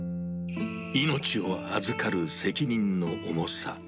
命を預かる責任の重さ。